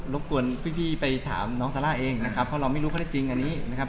บกวนพี่ไปถามน้องซาร่าเองนะครับเพราะเราไม่รู้ข้อได้จริงอันนี้นะครับ